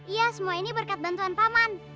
iya semua ini berkat bantuan pak man